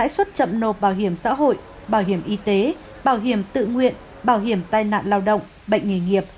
suất chậm nộp bảo hiểm xã hội bảo hiểm y tế bảo hiểm tự nguyện bảo hiểm tai nạn lao động bệnh nghề nghiệp